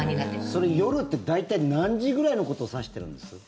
それ、夜って大体何時ぐらいのことを指してるんです？